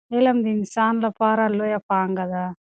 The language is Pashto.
علم د انسان لپاره لویه پانګه ده.